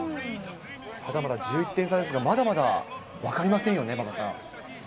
１１点差ですが、まだまだわかりませんよね、馬場さん。